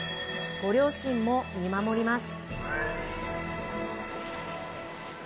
ご両親も見守ります。